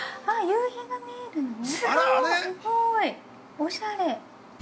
おしゃれ。